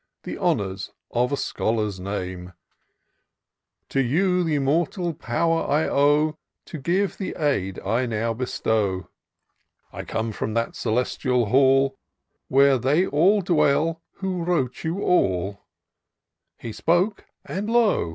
The honours of a scholar's name : To you the immortal power I owe. To give the aid I now bestow : I come from that Celestial Hall, Where they all dwell who wrote you aU.' He spoke — and lo